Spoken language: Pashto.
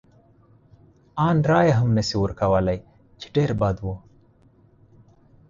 ان رایه هم نه شي ورکولای، چې ډېر بد و.